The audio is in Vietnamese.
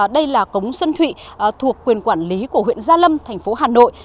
đây là cống xuân thụy thuộc quyền quản lý của huyện gia lâm thành phố hà nội